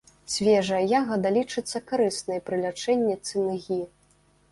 Свежая ягада лічыцца карыснай пры лячэнні цынгі.